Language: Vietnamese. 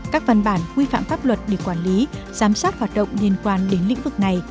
các văn bản quy phạm pháp luật để quản lý giám sát hoạt động liên quan đến lĩnh vực này